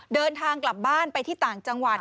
เดินทางกลับบ้านไปที่ต่างจังหวัด